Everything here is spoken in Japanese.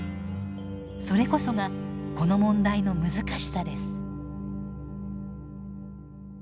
それこそがこの問題の難しさです。